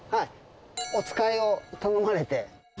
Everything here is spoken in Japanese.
おつかいを頼まれて。